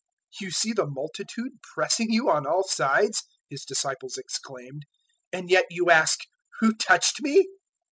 005:031 "You see the multitude pressing you on all sides," His disciples exclaimed, "and yet you ask, 'Who touched me?'"